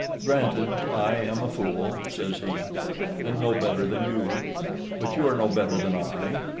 "Granted, I am a fool," says he, "and no better than you; but you are no better than I.